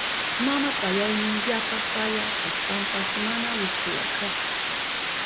Mama payayni yapa paya kashpanpas mana wiskuyarkachu.